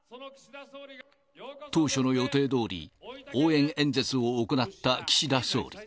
当初の予定どおり、応援演説を行った岸田総理。